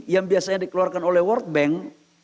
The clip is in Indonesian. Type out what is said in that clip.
yang biasanya dikeluarkan oleh world bank